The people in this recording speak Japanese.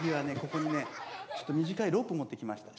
ここにねちょっと短いロープ持ってきました。